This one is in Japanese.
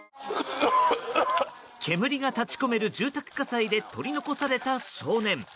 煙が立ち込める住宅火災で取り残された少年。